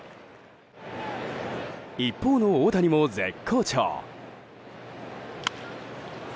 一方の大谷も絶好調。